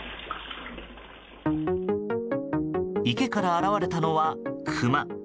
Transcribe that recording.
池から現れたのはクマ。